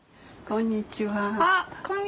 こんにちは。